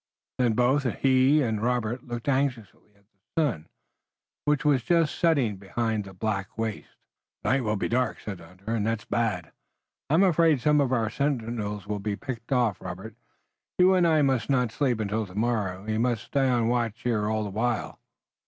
Then both he and Robert looked anxiously at the sun, which was just setting behind the black waste. "The night will be dark," said the hunter, "and that's bad. I'm afraid some of our sentinels will be picked off. Robert, you and I must not sleep until tomorrow. We must stay on watch here all the while."